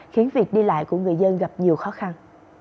khiến việc đi lại của người dân gặp nhiều khó khăn